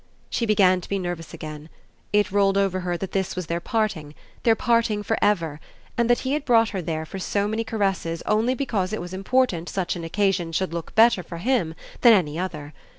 She began to be nervous again: it rolled over her that this was their parting, their parting for ever, and that he had brought her there for so many caresses only because it was important such an occasion should look better for him than any other.